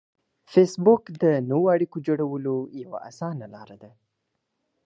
فېسبوک د نوو اړیکو جوړولو یوه اسانه لار ده